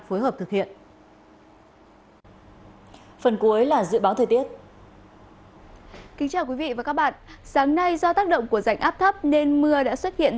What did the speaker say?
phối hợp thực hiện